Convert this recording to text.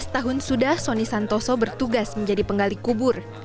tujuh belas tahun sudah sony santoso bertugas menjadi penggali kubur